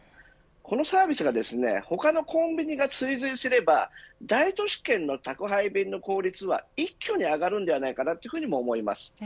このサービスが他のコンビニが追随すれば大都市圏の宅配便の効率は一挙に上がるのではないかとも思います。